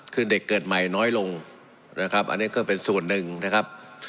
คือเด็กเกิดใหม่น้อยลงนะครับอันนี้ก็เป็นส่วนหนึ่งนะครับ